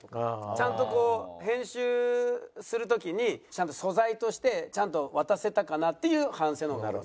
ちゃんとこう編集する時にちゃんと素材として渡せたかなっていう反省の方が多いですね。